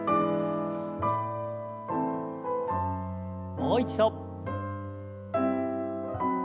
もう一度。